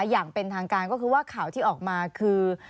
อย่างเป็นทางการก็คือว่าข่าวที่ออกมาคือ